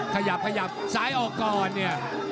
ขยับขยับซ้ายออกก่อนเนี่ย